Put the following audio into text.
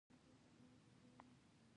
تقوا هم ښه خبري کوي